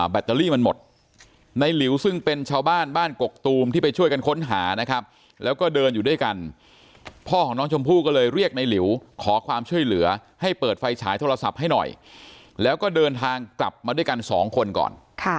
แตลลี่มันหมดในหลิวซึ่งเป็นชาวบ้านบ้านกกตูมที่ไปช่วยกันค้นหานะครับแล้วก็เดินอยู่ด้วยกันพ่อของน้องชมพู่ก็เลยเรียกในหลิวขอความช่วยเหลือให้เปิดไฟฉายโทรศัพท์ให้หน่อยแล้วก็เดินทางกลับมาด้วยกันสองคนก่อน